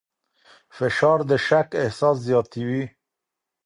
فشار د شک احساس زیاتوي.